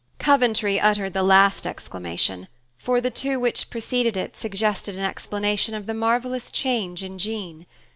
Coventry uttered the last exclamation, for the two which preceded it suggested an explanation of the marvelous change in Jean.